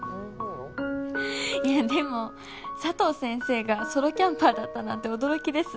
いやでも佐藤先生がソロキャンパーだったなんて驚きです。